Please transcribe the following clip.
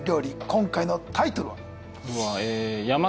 今回のタイトルは？